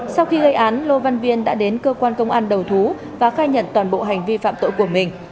sau khi gây án lô văn viên đã đến cơ quan công an đầu thú và khai nhận toàn bộ hành vi phạm tội của mình